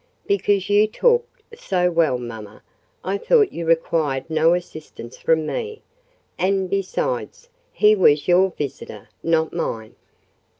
"Because you talked so well, mamma, I thought you required no assistance from me: and, besides, he was your visitor, not mine."